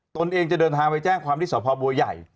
ตนเองจะเดินทางไปแจ้งความที่สพบัวใหญ่